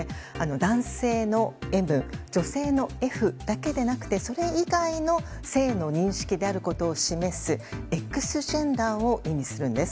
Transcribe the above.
男性の「Ｍ」女性の「Ｆ」だけでなくてそれ以外の性の認識であることを示すＸジェンダーを意味するんです。